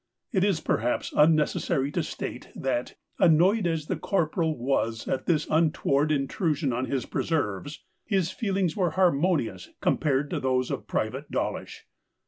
It is perhaps unnecessary to state that, annoyed as the Corporal was at this untoward intrusion on his preserves, his feelings were harmonious compared to those of Private Dawlish.